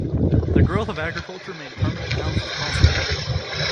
The growth of agriculture made permanent houses possible.